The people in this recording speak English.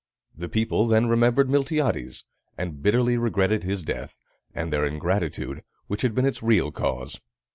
The people then remembered Miltiades, and bitterly regretted his death, and their ingratitude, which had been its real cause.